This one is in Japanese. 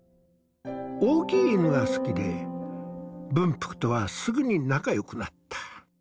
大きい犬が好きで文福とはすぐに仲よくなった。